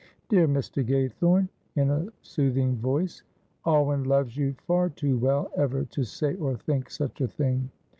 "Dear Mr. Gaythorne," in a soothing voice, "Alwyn loves you far too well ever to say or think such a thing."